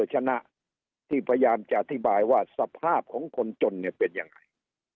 ชนะที่พยายามจะอธิบายว่าสภาพของคนจนเนี่ยเป็นยังไง